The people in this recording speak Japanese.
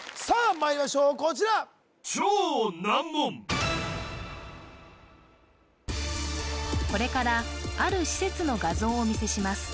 まいりましょうこちらこれからある施設の画像をお見せします